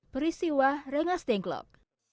peristiwa rengas dengklok